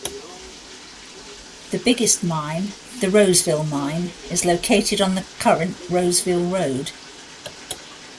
The biggest mine, The Roseville Mine, is located on the current Roseville Road.